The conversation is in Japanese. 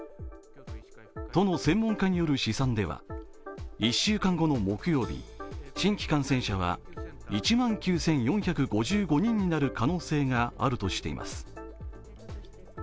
都の専門家による試算では、１週間後に木曜日、新規感染者は１万９４５５人になる可能性があるとしています。